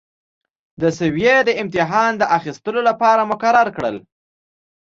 د سویې د امتحان اخیستلو لپاره مقرر کړل.